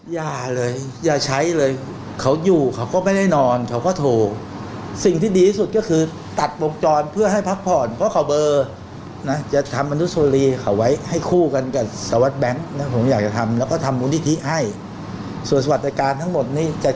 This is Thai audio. สวัสดิ์การทั้งหมดนี้จัดการหมดนะครับบวกกรจัดการหมด